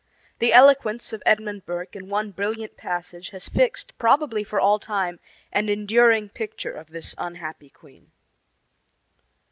The eloquence of Edmund Burke in one brilliant passage has fixed, probably for all time, an enduring picture of this unhappy queen.